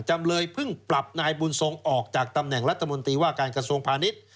จำเลยเพิ่งปรับนายบุญทรงออกจากตำแหน่งรัฐมนตรีว่าการกระทรวงพาณิชย์